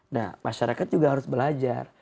nah masyarakat juga harus belajar